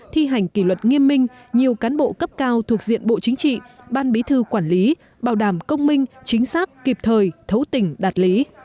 thi hành kỷ luật nghiêm minh nhiều cán bộ cấp cao thuộc diện bộ chính trị ban bí thư quản lý bảo đảm công minh chính xác kịp thời thấu tình đạt lý